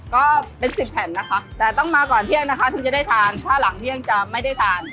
ก็เป็นสิบแผ่นนะคะแต่ต้องมาก่อนเที่ยงนะคะถึงจะได้ทานถ้าหลังเที่ยงจะไม่ได้ทาน